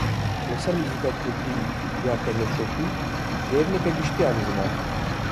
Li ser muzika Kurdî ya kevneşopî, nêrîneke giştî anî ziman